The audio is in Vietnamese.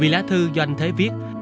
vì lá thư do anh thế viết